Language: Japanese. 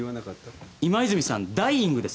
今泉さん「ダイイング」です。